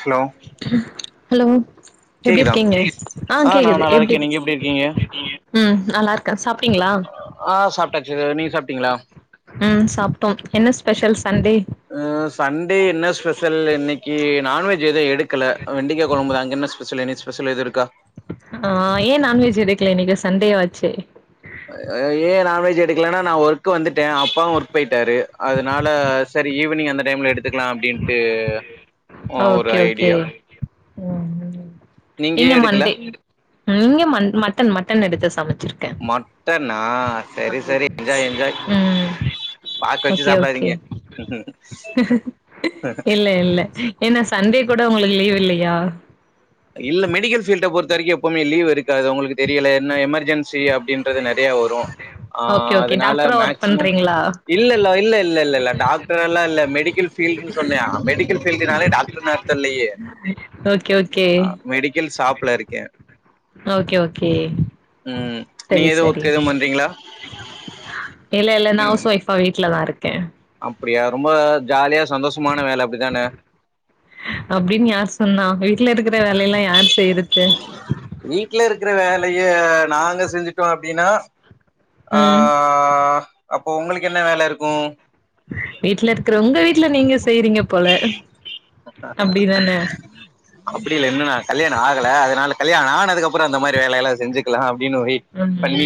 Hello hello எப்டி கேக்குதா இருக்கீங்க ஆ ஆங் நா கேக்குது நல்லா எப்டி இருக்கே நீங்க இருக்கீங்க ம் நல்லா இருக்கேன் சாப்டீங்களா ஆஹ் சாப்டாச்சு நீ சாப்டீங்களா உம் சாப்டோம் என்ன ஸ்பெஷல் சன்டே சண்டே என்ன ஸ்பெஷல் இன்னைக்கு நான்வெஜ் எதோ எடு க்கல வெண்டிக்கா குழம்புதா அங்க என்ன ஸ்பெஷல் எனி ஸ்பெஷல் எது இருக்கா ஆஹ் ஏன் நான் வெஜ் எடுக்கல இன்னைக்கு சண்டே வாச்சே ஏன் நான்வெஜ் எடுக்கலனா நான் ஒர்க் வந்துட்டேன் அப்பாவும் ஒர்க் போயிட்டாரு அதனால சரி ஈவினிங் அந்த டைம்ல எடுத்துக்கலாம் அப்படின்ட்டு ஆ ஒரு ஓகே ஓகே ஐடியா ம் ம் நீங்க ஏ இங்க எடுக்கல மண்டே இங்க ம மட்டன் மட்டன் எடுத்து சமைச்சிரு மட்டன்னா சரி சரி என்ஜாய் என்ஜாய் ம் பாக்க வச்சு ஓகே ஓகே சாப்பிடாதீங்க இல்ல இல்ல ஏன்னா சண்டே கூட உங்களுக்கு லீவ் இல்லையா இல்ல மெடிக்கல் ஃபீல்ட பொறுத்த வரைக்கும் எப்பவுமே லீ்வு இருக்காது உங்களுக்கு தெரியல என்ன எமர்ஜென் சி அப்படின்றது நிறைய வரும் ஓகே ஆஹ் ஓகே அதனால டாக்டரா ஒர்க் மேக்சிமம் பண்றீங்களா இல்ல இல்ல இல்ல இல்லல்ல இல்ல இல்ல டாக்டர் எல்லாம் இல்ல மெடிக்கல் ஃபீல்டுன்னு சொன்னேன் மெடிக்கல் ஃபீல்டுனாலே டாக்டர் னு அரத்தல்லையே ஓகே ஓக் அ மெடிக்கல் ஷாப்ல இருக்கேன் ஓகே ஓகே உம் நீங்க சரி ஏது சரி ஒர்க் எதும் பண்றீங்களா இல்ல இல்ல நா ஹவுஸ் ஒய்ஃபா வீட்டுலதான் இருக்கேன் அப்படியா ரொம்ப ஜாலியா சந்தோஷமான வேலை அப்படித்தான அப்டின்னு யார் சொன்னா வீட்ல இருக்கிற வேலை எல்லாம் யாரு செய்றது வீட்ல இருக்கற வேலைய நாங்க செஞ்சுட்டோம் அப்படின்னா ம். ஆஹ் ஆ அப்போ உங்களுக்கு என்ன வேலை இருக்கும் வீட்டு்ல இருக்கிற உங்க வீட்டுல நீங்க செய்றீங்க போல அப்படிதானே? [unintelligible] அப்டி இல்ல இன்னும் நான் கல்யண ஆகல அதனால கல்யாண ஆனது அப்புறம் அந்த மாரி வேலைய எல்லாம் செஞ்சக்கலாம் அப்படின்னு போய் ம்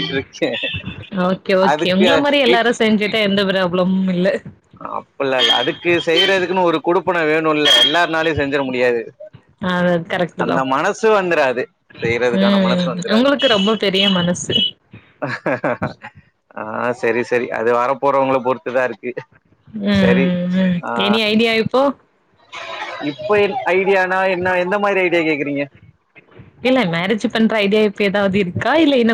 ஓகே ஓகே அதுக்கு உங்கள மாதிரி வெயிட் எல்லாரும் செஞ்சுட்டா எந்த ப்ராப்ளமும் இல்ல அப்பல்லல்ல அதுக்கு செய்றதுக்குன்னு ஒரு குடுப்பண வேணும்ல்ல எல்லார்னாலயும் செஞ்சிற முடியாது அது கரெக்ட்டு அந்த தான். மனசு வந்துராது செய்யறதுக்கான மனசு வந்துராது தெரிய மனசு ஆ செரி செரி அது வர போறவங்கள பொறுத்துதான் இருக்கு ம் சரி ம் ம் ஆ எனி ஐடியா இப்போ இப்ப ஐடியானா என்ன எந்த மாரி ஐடியா கேக்குறீங்க இல்ல மேரேஜ் பண்ற ஐடியா இப்போ ஏதாவது இருக்கா இல்ல என்ன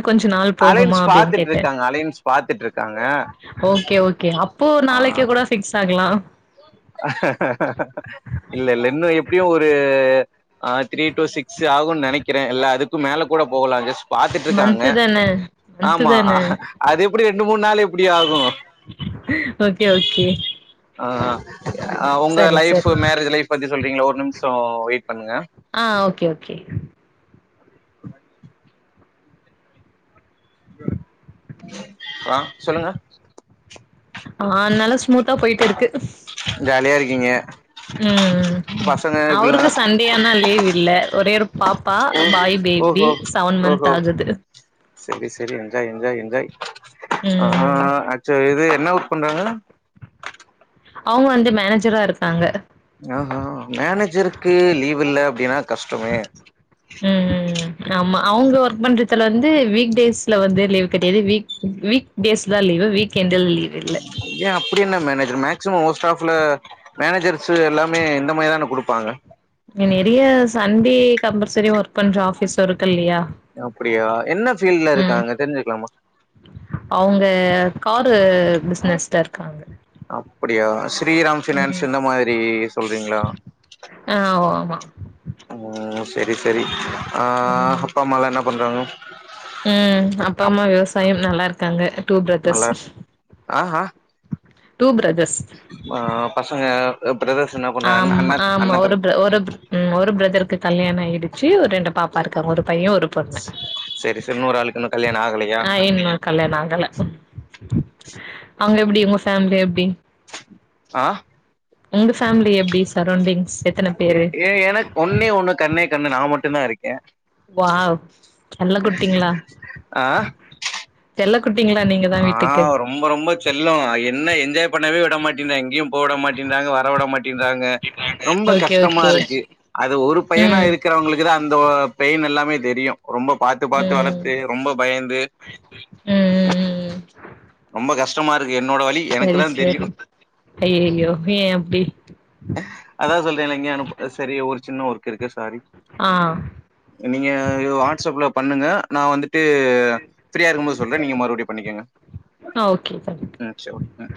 அலையன்ஸ் பாத்துட்டு இருக்காங்க அலையன்ஸ் பாத்துட்டு இருக்காங்க ஓகே ஓகே அப்போ நாளைக்கு ஆ கூட ஃபிக்ஸ் ஆகலா இல்ல இல்ல இன்னும் எப்டியும் ஒரு ஆ த்ரீ டூ சிக்ஸ் ஆகுனு நினைக்கிறேன் இல்ல அதுக்கு மேல கூட போகலாம் ஜஸ்ட் பாத்துட்டு இருக்காங்க மந்த்து தான மந்த்து ஆமா தான அது எப்டி ரெண்டு மூணு நாள் எப்டி ஆகும் ஓகே ஓகே ஆ ஆ ஆ உங்க சரி லைஃப் சரி மேரேஜ் லைஃப் பத்தி சொல்றீங்களா ஒரு நிமிஷோ வெயிட் பண்ணுங்க ஆ ஓகே ஓகே ஆ சொல்லுங்க ஆனால ஸ்மூத்தா போயிட்டு இருக்கு ஜாலியா இருக்கீங்க ஆ ஆ பசங்க இப்டிலா அவருக்கு சண் டேன ஆனா லீவ் இல்ல ஒரே ஒரு பாப்பா பாய் பேபி செவன் மந்த் ஆகுது சரி சரி என்ஜாய் என்ஜாய் என்ஜாய் ஆ ம் ஆக்ச் இது என்ன ஒர்க் பண்றாங்க அவுங்க வந்து மேனேஜரா இருக்காங்க ஆஹா மேனேஜருக்கு லீவ் இல்ல அப்டின்னா கஷ்டமே ம் ம் ம் ஆமா அவுங்க ஒர்க் பண்றதுல வந்து வீக் டேஸ்ல வந்து லீவ் கிடையாது வீக் வீக் டேஸ்ல தான் லீவு வீக் என்டுல லீவு ஏ அப்படி என்ன மேனேஜர் மேக்சிமம் மோஸ்ட் ஆஃப்ல மேனேஜர்ஸ் எல்லாமே இந்த மாரி தான குடுப்பாங்க இங்க நிறைய சண்டே கம்பல்சரி ஒர்க் பண்ற ஆஃபீஸ் இருக்கு இல்லையா அப்டியா என்ன ஃபீல்டு்ல இருக்காங்க தெரிஞ்சுக்கலாமா அவுங்க காரு பிஸ்னஸ்ல இருக்காங்க அப்டியா ஸ்ரீராம் ஃபினான்ஸ் ம் இந்த மாரி சொல்றீங்களா ஆ ஓ ஆமா ஆ செரி செரி ஆ ம் அப்பா அம்மாலாம் என்ன பண்றாங்க ம் அப்பா அப் அம்மா விவசாயம் நல்லா இருக்காங்க டூ பிரதர்ஸ் ஆஹா டூ பிரதர்ஸ் ஆ பசங்க பிரதர்ஸ் என்ன பண்றாங்க அ ஆமா அண்ணா ஆமா அண்ண ஒரு தம் பிர ஒரு ம் ஒரு பிரதருக்கு கல்யாண ஆயிடுச்சு ஒரு ரெண்டு பாப் பாப்பா இருக்காங்க ஒரு பையன் ஒரு பொண்ணு செரி செரி இன்னொரு ஆளுக்கு இன்னு கல்யாண ஆகலையா ஆ இன் மா கல்யாண ஆகல அவுங்க எப்டி உங்க ஃபேமிலி எப்டி ஆ உங்க ஃபேமிலி எப்டி சரௌண்டிங்ஸ் எத்தன ஏ பேரு ஏ எனக்கு ஒன்னே ஒண்ணு கண்ணே கண்ணு நா மட்டும்தா இருக்கேன் வாவ் செல்ல குட்டிங்களா ஆ செல்ல குட்டிங்களா நீங்கதா ஆ வீட்டுக்கு ரொம்ப ரொம்ப செல்லொ என்ன என்ஜாய் பண்ணவே விட மாட்டேனா எங்கேயு போ விட மாட்டேன்றாங்க வரவிட மாட்டேன்றாங்க ரொம்ப ஓகே கஷ்டமா ஓகே இருக்கு அது ஒரு பையனா ம் இருக்கறவங்களுக்குதா அந்த ஒ பெயின் எல்லாமே தெரியு ரொம்ப பாத்து பாத்து ம் வளத்து ரொம்ப பயந்து ம் ம் ம் ம் ரொம்ப கஷ்டமா இருக்கு என்னோட வலி எனக்கு சரி தான் தெரியும். சரி ஐய்யய்யோ ஏ அப்டி அதா சொல்றேலங்க அனு சரி ஒரு சின்ன ஒர்க் இருக்கு சாரி ஆ நீங்க இவ் வாட்ஸ்அப்ல பண்ணுங்க நா வந்துட் டு ஃப்ரீயா இருக்கும்போது சொல்ற நீங்க மறுபடியு பண்ணிக்கங்க ஆ ஓகே தேங்க் யூ ம் சரி ஓகே ம்